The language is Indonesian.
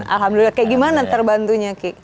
alhamdulillah kayak gimana terbantunya ki